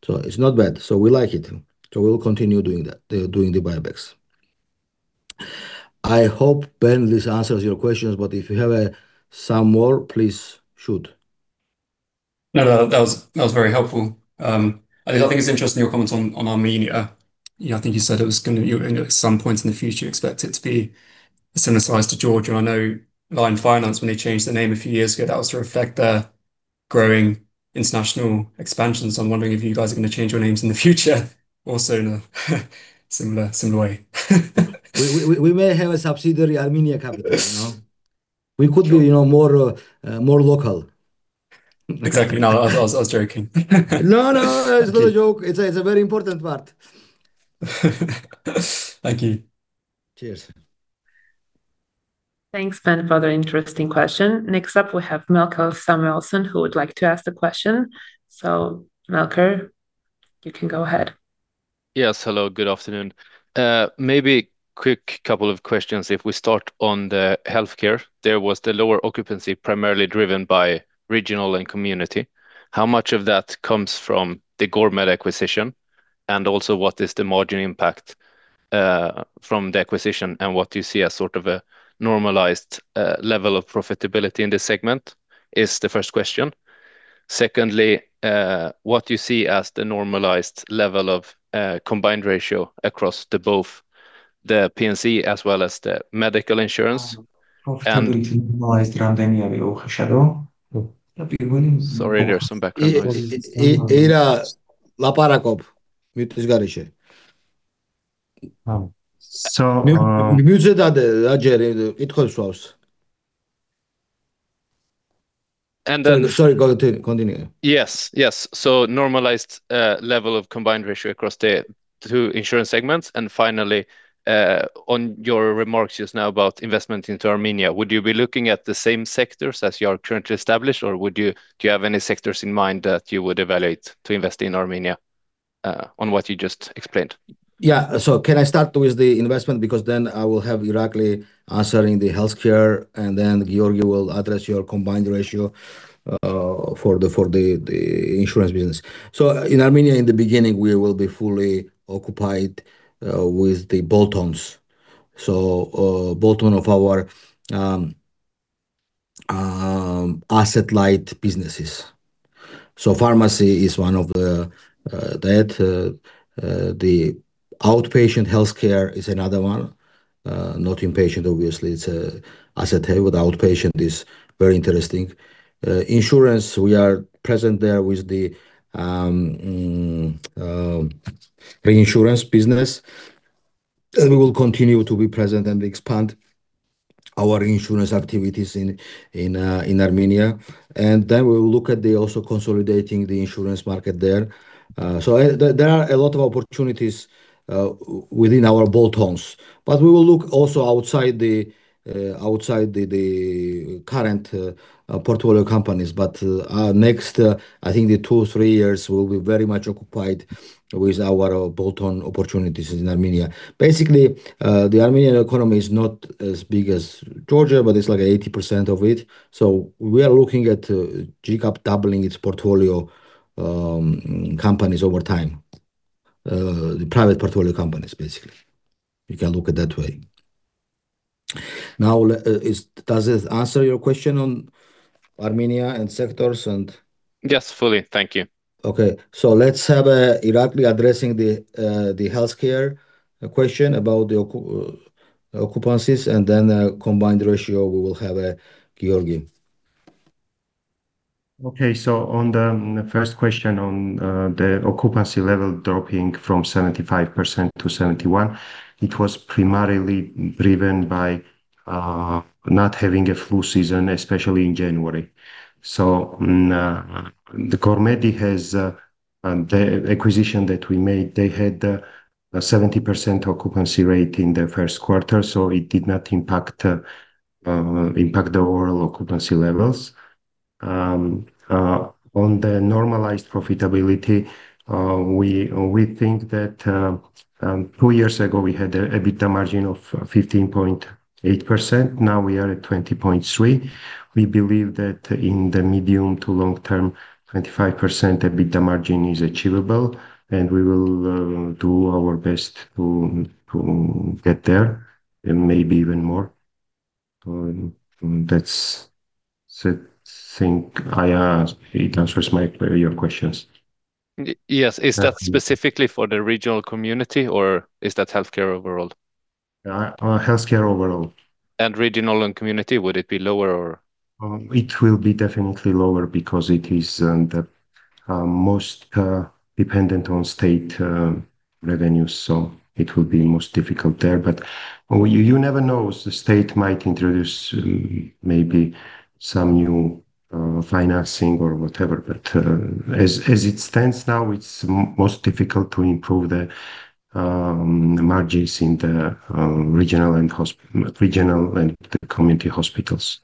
It's not bad, we like it. We'll continue doing that, doing the buybacks. I hope, Ben, this answers your questions, but if you have some more, please shoot. No, no, that was very helpful. I think it's interesting your comments on Armenia. You know, I think you said it was gonna, at some point in the future expect it to be a similar size to Georgia. I know Lion Finance, when they changed their name a few years ago, that was to reflect their growing international expansion. I'm wondering if you guys are gonna change your names in the future also in a similar way. We may have a subsidiary Armenia Capital, you know? We could be, you know, more local. Exactly. No, I was joking. No, no, it's not a joke. It's a very important part. Thank you. Cheers. Thanks, Ben, for the interesting question. Next up we have Melker Samuelsson, who would like to ask a question. Melker, you can go ahead. Yes. Hello, good afternoon. Maybe quick couple of questions. If we start on the healthcare, there was the lower occupancy primarily driven by regional and community. How much of that comes from the Gormed acquisition? Also, what is the margin impact from the acquisition, and what do you see as sort of a normalized level of profitability in this segment? Is the first question. Secondly, what do you see as the normalized level of combined ratio across the both the P&C as well as the medical insurance? Sorry, there's some background noise. So, uh— And then—sorry, continue. Yes, yes. Normalized, level of combined ratio across the two insurance segments. Finally, on your remarks just now about investment into Armenia, would you be looking at the same sectors as you are currently established, or do you have any sectors in mind that you would evaluate to invest in Armenia, on what you just explained? Yeah. Can I start with the investment? Because then I will have Irakli answering the healthcare, and then Giorgi will address your combined ratio for the insurance business. In Armenia, in the beginning, we will be fully occupied with the bolt-ons, bolt-on of our asset light businesses. Pharmacy is one of the that the outpatient healthcare is another one. Not inpatient obviously, it's asset heavy with outpatient is very interesting. Insurance, we are present there with the reinsurance business, and we will continue to be present and expand our insurance activities in Armenia. We will look at the also consolidating the insurance market there. There are a lot of opportunities within our bolt-ons. We will look also outside the current portfolio companies. Next, I think the two, three years we'll be very much occupied with our bolt-on opportunities in Armenia. Basically, the Armenian economy is not as big as Georgia, but it's like 80% of it. We are looking at GCAP doubling its portfolio companies over time. The private portfolio companies, basically. You can look it that way. Does it answer your question on Armenia and sectors and? Yes. Fully. Thank you. Let's have Irakli addressing the healthcare question about the occupancies, and then combined ratio, we will have Giorgi. On the first question on the occupancy level dropping from 75% to 71%, it was primarily driven by not having a flu season, especially in January. The Gormed has the acquisition that we made, they had a 70% occupancy rate in the first quarter, so it did not impact the overall occupancy levels. On the normalized profitability, we think that two years ago we had a EBITDA margin of 15.8%. Now we are at 20.3%. We believe that in the medium to long term, 25% EBITDA margin is achievable. We will do our best to get there and maybe even more. That's it. I think it answers your questions. Yes. Is that specifically for the regional community or is that healthcare overall? Healthcare overall. Regional and community, would it be lower or? It will be definitely lower because it is the most dependent on state revenue, so it will be most difficult there. You, you never know, the state might introduce maybe some new financing or whatever. As it stands now, it's most difficult to improve the margins in the regional and the community hospitals.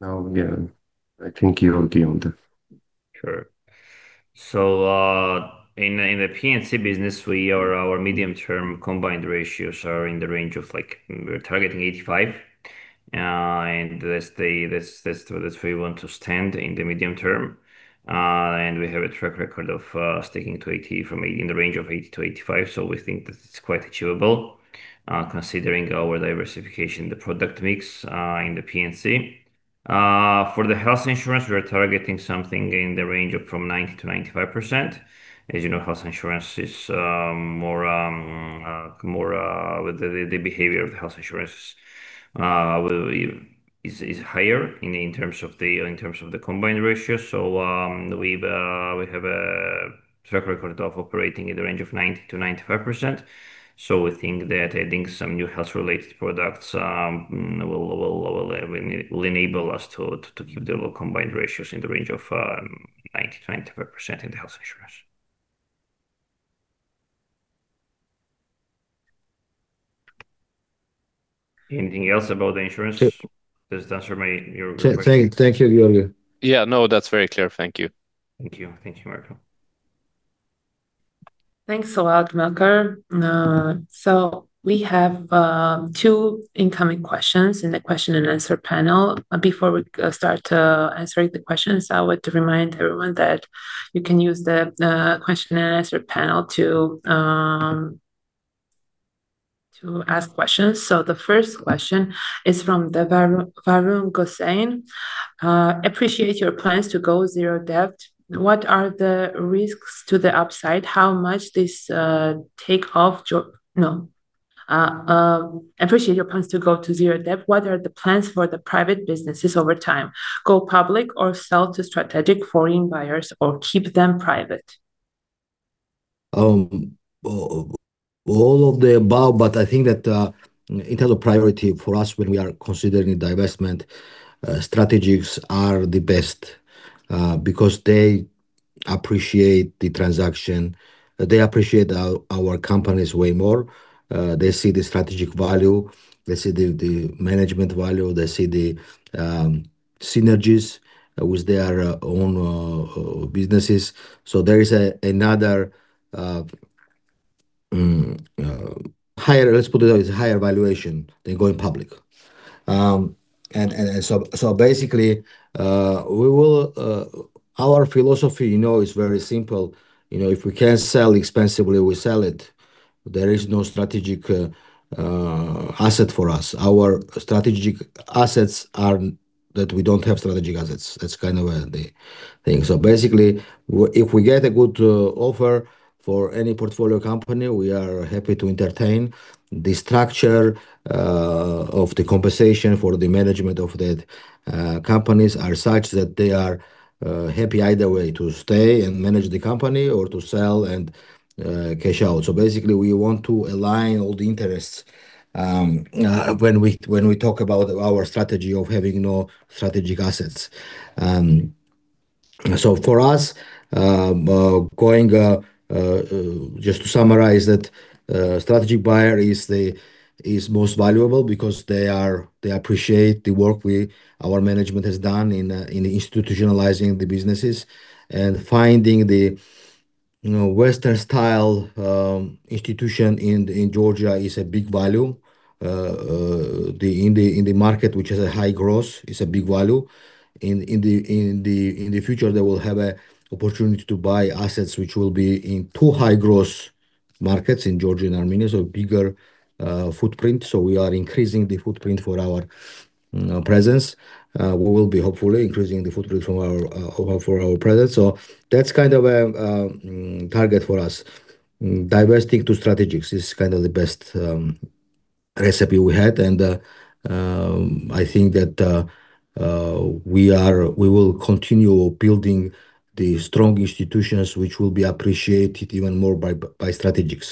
Now, yeah, I think you're on the— Sure. In the P&C business, our medium-term combined ratios are in the range of like we're targeting 85%, and that's where we want to stand in the medium term. And we have a track record of sticking in the range of 80%-85%, so we think that it's quite achievable considering our diversification, the product mix in the P&C. For the health insurance, we are targeting something in the range of from 90%-95%. As you know, the behavior of health insurance is higher in terms of the combined ratio. We have a track record of operating in the range of 90%-95%. We think that adding some new health related products, will enable us to give the combined ratios in the range of 90%-95% in the health insurance. Anything else about the insurance? Yeah. Does it answer your question? Thank you, Giorgi. Yeah, no, that's very clear. Thank you. Thank you. Thank you, Melker. Thanks a lot, Melker. We have two incoming questions in the Q&A panel. Before we start answering the questions, I want to remind everyone that you can use the Q&A panel to ask questions. The first question is from Varun [Gosain]. Appreciate your plans to go zero debt. What are the risks to the upside? Appreciate your plans to go to zero debt. What are the plans for the private businesses over time? Go public or sell to strategic foreign buyers or keep them private? All of the above, but I think that in terms of priority for us when we are considering divestment, strategics are the best because they appreciate the transaction. They appreciate our companies way more. They see the strategic value, they see the management value, they see the synergies with their own businesses. There is another higher, let's put it as a higher valuation than going public. Our philosophy, you know, is very simple. You know, if we can sell expensively, we sell it. There is no strategic asset for us. Our strategic assets are that we don't have strategic assets. That's kind of the thing. Basically, if we get a good offer for any portfolio company, we are happy to entertain. The structure of the compensation for the management of the companies are such that they are happy either way to stay and manage the company or to sell and cash out. Basically, we want to align all the interests when we, when we talk about our strategy of having no strategic assets. For us, going just to summarize that, strategic buyer is the most valuable because they appreciate the work we, our management has done in institutionalizing the businesses and finding the, you know, Western style institution in Georgia is a big value. In the market, which is a high growth, is a big value. In the future, they will have a opportunity to buy assets which will be in two high growth markets in Georgia and Armenia, so bigger footprint. We are increasing the footprint for our presence. We will be hopefully increasing the footprint for our presence. That's kind of a target for us. Divesting to strategics is kind of the best recipe we had and I think that we will continue building the strong institutions which will be appreciated even more by strategics.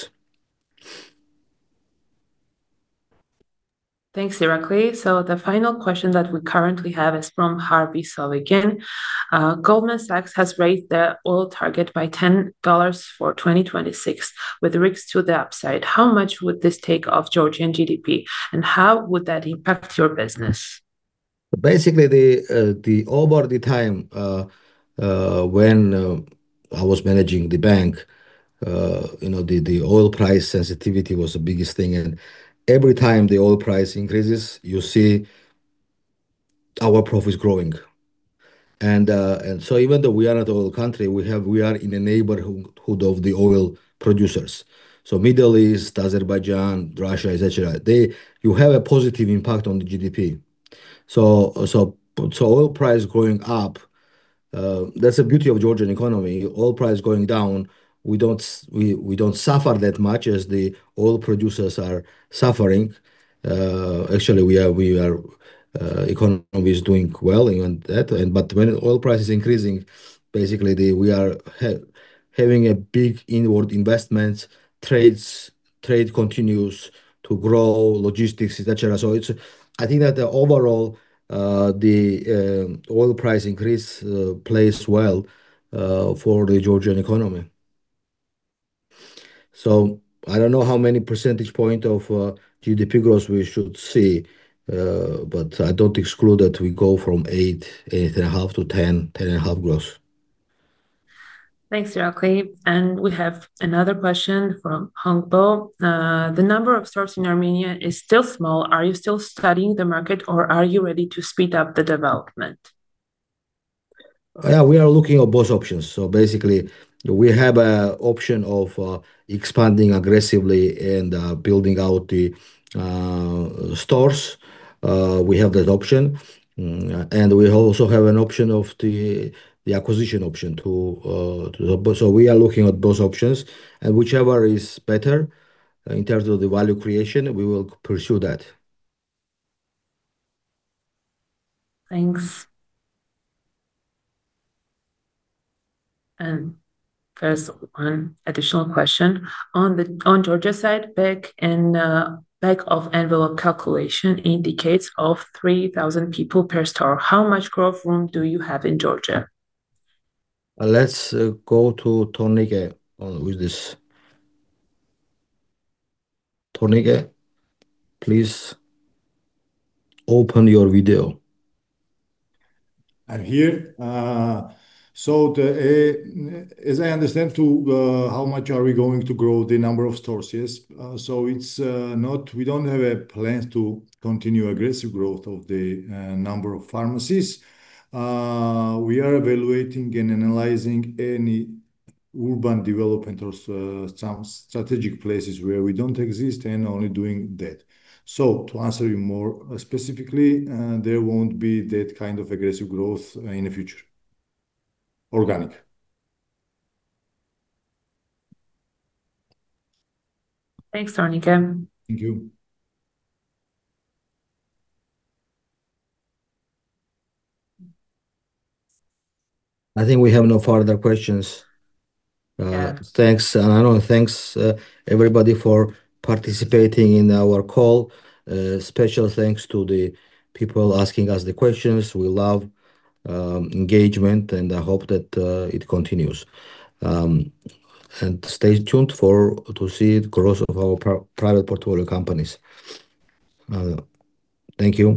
Thanks, Irakli. The final question that we currently have is from Harvey Sawikin. Goldman Sachs has raised their oil target by $10 for 2026 with risks to the upside. How much would this take of Georgian GDP, and how would that impact your business? Basically, over the time, when I was managing the bank, you know, the oil price sensitivity was the biggest thing, and every time the oil price increases, you see our profits growing. Even though we are not oil country, we have, we are in a neighborhood of the oil producers. Middle East, Azerbaijan, Russia, et cetera, they have a positive impact on the GDP. Oil price going up, that's the beauty of Georgian economy. Oil price going down, we don't suffer that much as the oil producers are suffering. Actually, our economy is doing well even that, but when oil price is increasing, basically we are having a big inward investments, trades, trade continues to grow, logistics, et cetera. It's, I think that the overall oil price increase plays well for the Georgian economy. I don't know how many percentage point of GDP growth we should see, but I don't exclude that we go from 8.5 to 10.5 growth. Thanks, Irakli. We have another question from [Hong Bo]. The number of stores in Armenia is still small. Are you still studying the market, or are you ready to speed up the development? Yeah, we are looking at both options. Basically, we have a option of expanding aggressively and building out the stores. We have that option. We also have an option of the acquisition option. We are looking at both options, and whichever is better in terms of the value creation, we will pursue that. Thanks. There's one additional question. On Georgia side, back in a back-of-envelope calculation indicates of 3,000 people per store. How much growth room do you have in Georgia? Let's go to Tornike on with this. Tornike, please open your video. I'm here. The, as I understand to, how much are we going to grow the number of stores, yes? We don't have a plan to continue aggressive growth of the number of pharmacies. We are evaluating and analyzing any urban development or some strategic places where we don't exist and only doing that. To answer you more specifically, there won't be that kind of aggressive growth in the future. Organic. Thanks, Tornike. Thank you. I think we have no further questions. Yeah. Thanks, Anano. Thanks, everybody for participating in our call. Special thanks to the people asking us the questions. We love engagement, and I hope that it continues. Stay tuned for, to see growth of our private portfolio companies. Thank you